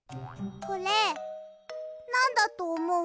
これなんだとおもう？